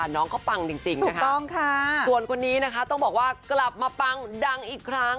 น้องเขาปังจริงนะคะส่วนคนนี้นะคะต้องบอกว่ากลับมาปังดังอีกครั้ง